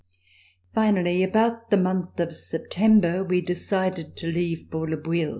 FINALLY about the month of September, we decided to leave for Le Bouilh.